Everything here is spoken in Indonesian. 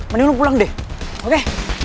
mending lu pulang deh oke